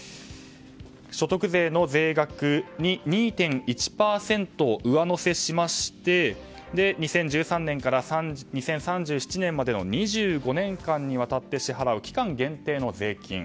所得税の税額に２．１％を上乗せしまして２０１３年から２０３７年までの２５年間にわたって支払う期間限定の税金。